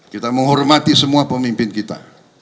kita menghormati semua pemimpin kita